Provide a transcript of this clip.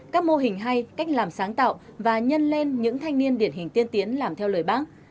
các mô hình hay cách làm sáng tạo và nhân lên những thanh niên điển hình tiên tiến làm theo lời bác